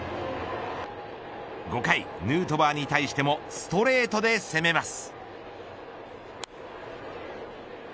５回ヌートバーに対してもストレートで攻めます。